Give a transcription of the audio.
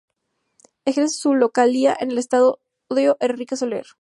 Ejerce su localía en el Estadio Enrique Soler.